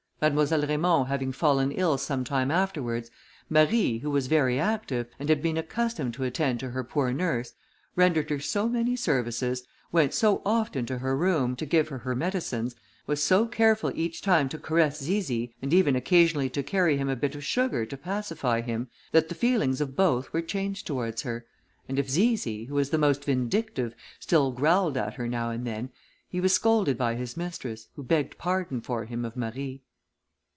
Mademoiselle Raymond having fallen ill some time afterwards, Marie, who was very active, and had been accustomed to attend to her poor nurse, rendered her so many services, went so often to her room, to give her her medicines, was so careful each time to caress Zizi, and even occasionally to carry him a bit of sugar to pacify him, that the feelings of both were changed towards her: and if Zizi, who was the most vindictive, still growled at her now and then, he was scolded by his mistress, who begged pardon for him of Marie.